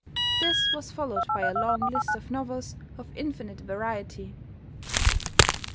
This was followed by a long list of novels of infinite variety.